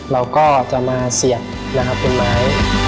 เราก็จะมาเสียบนะครับเป็นไม้